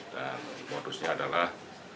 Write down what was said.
dan modusnya adalah